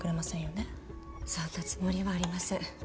そんなつもりはありません。